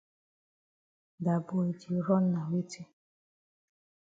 Dat boy di run na weti?